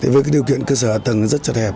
với điều kiện cơ sở tầng rất chật hẹp